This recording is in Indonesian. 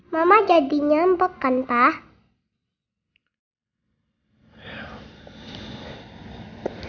mama jadi nyampekan pah